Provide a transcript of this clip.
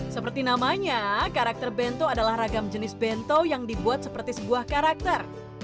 seperti namanya karakter bento adalah ragam jenis bento yang dibuat seperti sebuah karakter